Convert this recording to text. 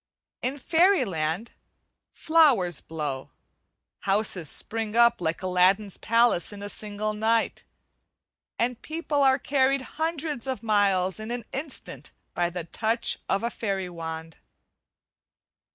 In fairy land, flowers blow, houses spring up like Aladdin's palace in a single night, and people are carried hundreds of miles in an instant by the touch of a fairy wand.